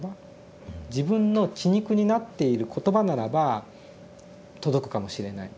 自分の血肉になっている言葉ならば届くかもしれない。